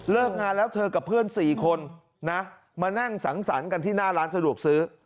งานแล้วเธอกับเพื่อน๔คนนะมานั่งสังสรรค์กันที่หน้าร้านสะดวกซื้อ